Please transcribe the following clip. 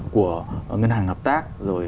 của ngân hàng hợp tác